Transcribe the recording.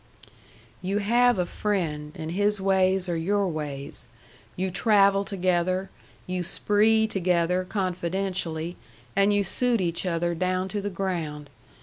"You have a friend, and his ways are your ways. You travel together, you spree together confidentially, and you suit each other down to the ground.